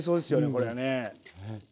これはね。